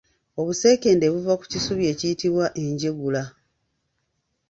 Obuseekende buva ku bisubi ebiyitibwa enjegula